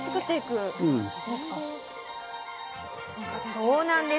そうなんです。